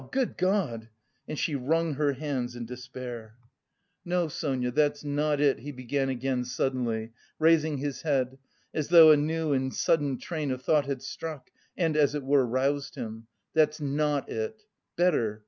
Good God!" And she wrung her hands in despair. "No, Sonia, that's not it," he began again suddenly, raising his head, as though a new and sudden train of thought had struck and as it were roused him "that's not it! Better...